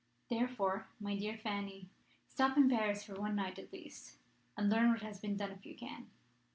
"Therefore, my dear Fanny, stop in Paris for one night at least, and learn what has been done if you can.